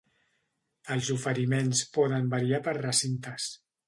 Els oferiments poden variar per recintes.